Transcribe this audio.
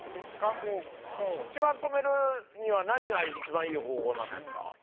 もうそう一番止めるには何が一番いい方法なんですか？